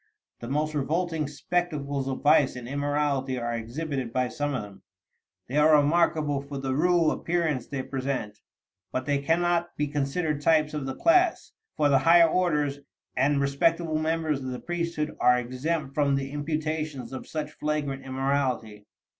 The most revolting spectacles of vice and immorality are exhibited by some of them. They are remarkable for the roue appearance they present, but they can not be considered types of the class, for the higher orders and respectable members of the priesthood are exempt from the imputation of such flagrant immorality.